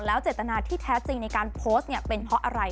เจตนาที่แท้จริงในการโพสต์เนี่ยเป็นเพราะอะไร